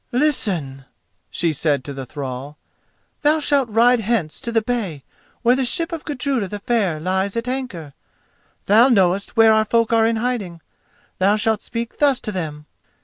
"Listen," she said to the thrall. "Thou shalt ride hence to the bay where the ship of Gudruda the Fair lies at anchor. Thou knowest where our folk are in hiding. Thou shalt speak thus to them.